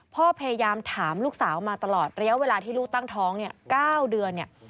พยายามถามลูกสาวมาตลอดระยะเวลาที่ลูกตั้งท้องเนี่ย๙เดือนเนี่ย